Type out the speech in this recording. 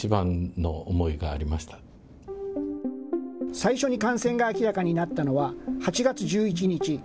最初に感染が明らかになったのは８月１１日。